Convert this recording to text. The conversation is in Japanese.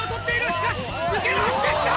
しかし抜け出してきた！